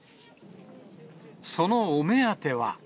そのお目当ては。